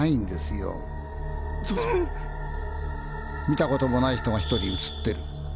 見たこともない人が一人映ってる。